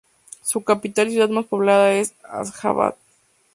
Su capital y ciudad más poblada es Asjabad.